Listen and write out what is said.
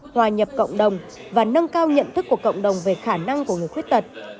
hòa nhập cộng đồng và nâng cao nhận thức của cộng đồng về khả năng của người khuyết tật